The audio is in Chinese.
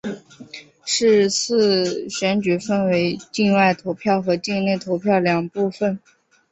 是次选举分为境外投票和境内投票两部分。